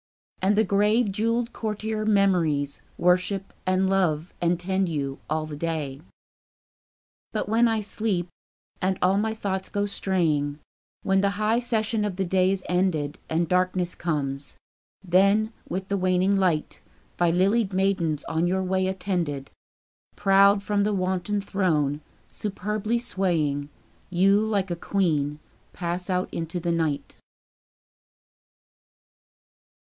And the grave jewelled courtier Memories Worship and love and tend you, all the day. But when I sleep, and all my thoughts go straying, When the high session of the day is ended, And darkness comes; then, with the waning light, By lilied maidens on your way attended, Proud from the wonted throne, superbly swaying, You, like a queen, pass out into the night.